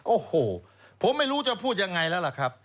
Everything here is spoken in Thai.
โอ้โฮผมไม่รู้จะพูดอย่างไรแล้วครับ